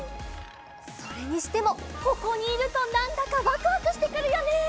それにしてもここにいるとなんだかワクワクしてくるよね！